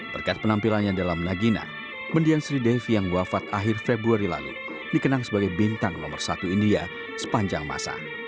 berkat penampilannya dalam nagina mendian sri devi yang wafat akhir februari lalu dikenang sebagai bintang nomor satu india sepanjang masa